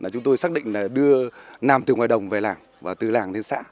chúng tôi xác định là đưa nam từ ngoài đồng về làng và từ làng lên xã